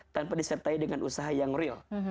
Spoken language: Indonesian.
tanpa disertai dengan usaha yang real